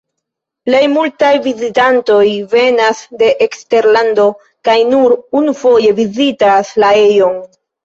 Plej multaj vizitantoj venas de eksterlando kaj nur unufoje vizitas la ejon.